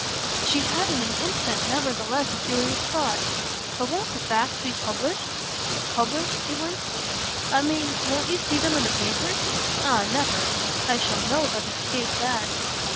She had in an instant nevertheless a curious thought. "But won't the facts be published?" "'Published'?" he winced. "I mean won't you see them in the papers?" "Ah never! I shall know how to escape that."